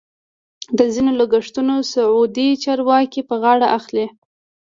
د ځینو لګښتونه سعودي چارواکي په غاړه اخلي.